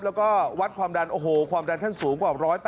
แล้วก็วัดความดันโอ้โหความดันท่านสูงกว่า๑๘๐